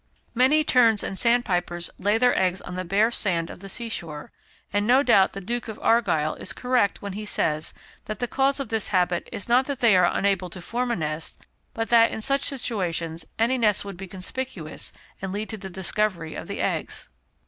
Many terns and sandpipers lay their eggs on the bare sand of the sea shore, and no doubt the Duke of Argyll is correct when he says, that the cause of this habit is not that they are unable to form a nest, but that, in such situations, any nest would be conspicuous and lead to the discovery of the eggs.